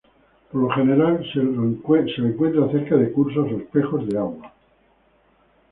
Por lo general se lo encuentra cerca de cursos o espejos de agua.